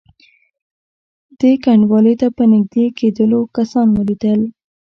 دې کنډوالې ته په نږدې کېدلو کسان ولیدل.